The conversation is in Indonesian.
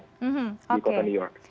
di kota new york